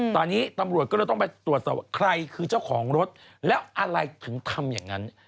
ตอนนี้ตำรวจก็เลยต้องไปตรวจสอบว่าใครคือเจ้าของรถแล้วอะไรถึงทำอย่างนั้น